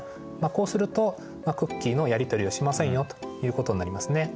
こうするとクッキーのやりとりはしませんよということになりますね。